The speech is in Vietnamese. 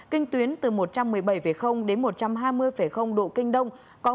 kinh tuyến từ một trăm một mươi bảy đến một trăm hai mươi độ kinh đông